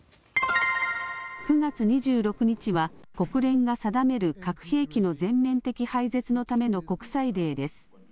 ９月２６日は国連が定める核兵器の全面的廃絶のための国際デーです。